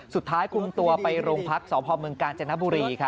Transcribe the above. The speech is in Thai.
สุดท้ายคุมตัวไปโรงพักษพเมืองกาญจนบุรี